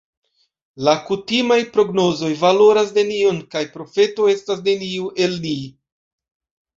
La kutimaj prognozoj valoras nenion, kaj profeto estas neniu el ni.